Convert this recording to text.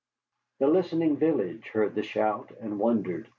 The listening village heard the shout and wondered.